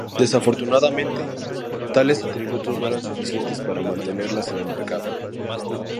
Desafortunadamente, tales atributos no eran suficientes para mantenerlas en el mercado.